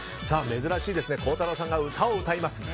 珍しいですね孝太郎さんが歌を歌います。